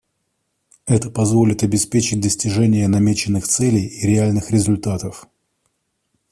Это позволит обеспечить достижение намеченных целей и реальных результатов.